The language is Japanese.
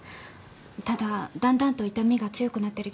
ただだんだんと痛みが強くなってる気がします。